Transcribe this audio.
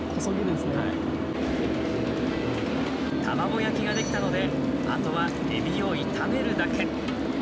卵焼きが出来たのであとはえびを炒めるだけ。